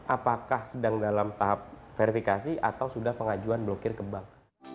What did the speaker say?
apakah sedang dalam tahap verifikasi atau sudah pengajuan blokir ke bank